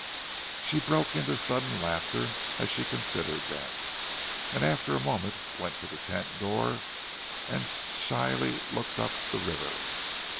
She broke into sudden laughter as she considered them, and after a moment went to the tent door and shyly looked up the river.